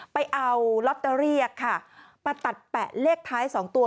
ไปเอาลอตเตอรี่ค่ะมาตัดแปะเลขท้าย๒ตัว